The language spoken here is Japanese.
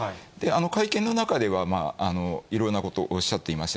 会見の中では、いろんなことおっしゃっていました。